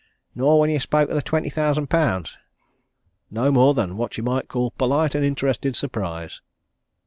"Nor when you spoke of the twenty thousand pounds?" "No more than what you might call polite and interested surprise!"